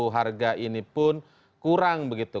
harga ini pun kurang begitu